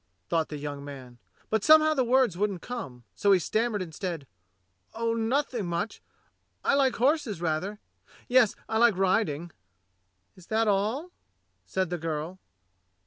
thought the young man; but somehow the words wouldn't come, so he stammered instead: "Oh, nothing much. I like horses rather; yes, I like riding." "Is that all.?" said the girl.